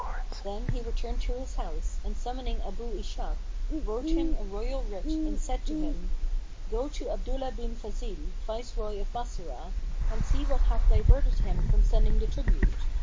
Then he returned to his house and summoning Abu Ishak, wrote him a royal writ and said to him, "Go to Abdullah bin Fazil, Viceroy of Bassorah, and see what hath diverted him from sending the tribute.